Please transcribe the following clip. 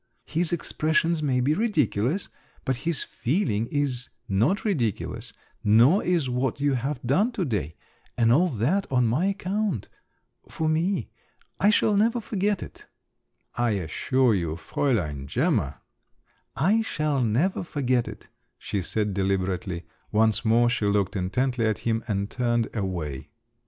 "His expressions may be ridiculous, but his feeling is not ridiculous, nor is what you have done to day. And all that on my account … for me … I shall never forget it." "I assure you, Fräulein Gemma …" "I shall never forget it," she said deliberately; once more she looked intently at him, and turned away.